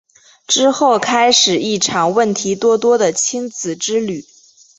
之后开始一场问题多多的亲子之旅。